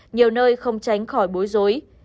nhiều nơi không tránh khỏi bối rối